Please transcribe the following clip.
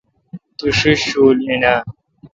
تی ݭیݭ شول این آں؟